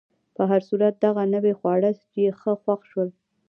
په هر صورت، دغه نوي خواړه یې ښه خوښ شول.